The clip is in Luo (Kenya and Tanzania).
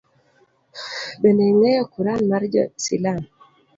Bende ing’eyo kuran mar jo silam